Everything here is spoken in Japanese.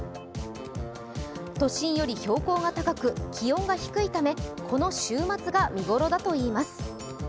都心より標高が高く気温が低いため、この週末が見ごろだといいます。